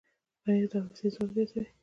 پنېر د حافظې ځواک زیاتوي.